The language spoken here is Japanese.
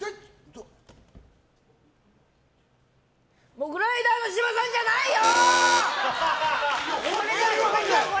モグライダーの芝さんじゃないよ！